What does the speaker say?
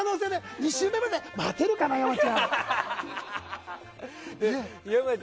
２週目まで待てるかな山ちゃん。